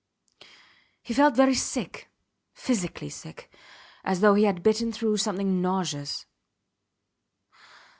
He felt very sick physically sick as though he had bitten through something nauseous.